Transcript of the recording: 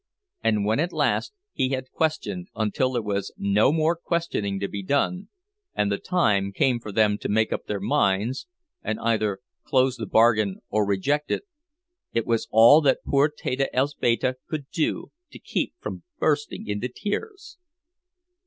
And when at last he had questioned until there was no more questioning to be done, and the time came for them to make up their minds, and either close the bargain or reject it, it was all that poor Teta Elzbieta could do to keep from bursting into tears.